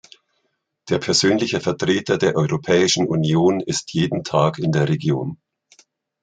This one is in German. Der persönliche Vertreter der Europäischen Union ist jeden Tag in der Region.